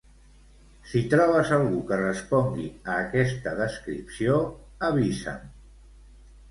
Si trobes algú que respongui a aquesta descripció, avisa'm.